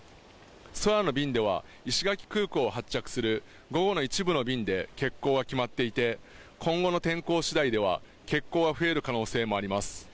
空の便では石垣空港を発着する午後の一部の便で欠航が決まっていて今後の天候次第では欠航が増える可能性もあります